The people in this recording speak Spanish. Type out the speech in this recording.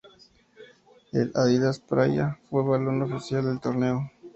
El "Adidas Praia" fue el balón oficial del torneo.